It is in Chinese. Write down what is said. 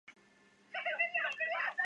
其中亦可能夹有少数汉语成分。